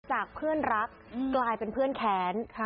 จากเพื่อนรักกลายเป็นเพื่อนแค้น